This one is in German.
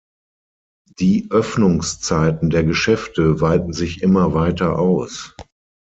Die Öffnungszeiten der Geschäfte weiten sich immer weiter aus.